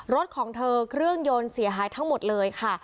รถของเธอเครื่องยนต์เสียหายทั้งหมดเลยค่ะ